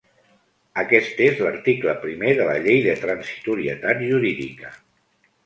Aquest és l’article primer de la llei de transitorietat jurídica.